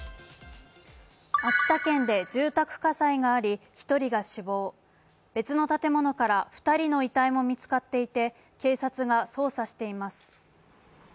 秋田県で住宅火災があり１人が死亡、別の建物から２人の遺体も見つかっていて警察が捜査しています。